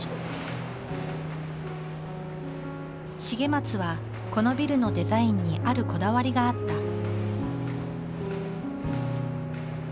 重松はこのビルのデザインにあるこだわりがあった。